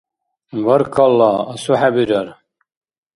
Баркалла, асухӀебирар.